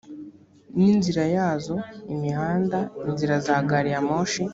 n inzira yazo imihanda inzira za gari ya moshi